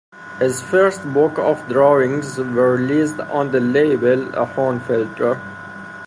His first book of drawings was released on the label Ahornfelder.